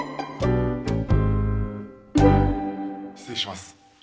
失礼します。